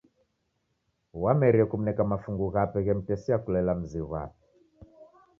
Wamerie kumneka mafungu ghape ghemtesia kulela mzi ghwape.